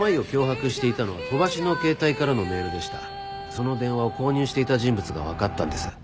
その電話を購入していた人物が分かったんです。